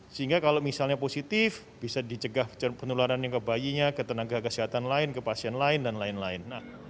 sehingga kalau misalnya positif bisa dicegah penularannya ke bayinya ke tenaga kesehatan lain ke pasien lain dan lain lain